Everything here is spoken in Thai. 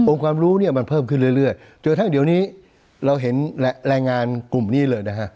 ความรู้เนี่ยมันเพิ่มขึ้นเรื่อยจนกระทั่งเดี๋ยวนี้เราเห็นแรงงานกลุ่มนี้เลยนะฮะ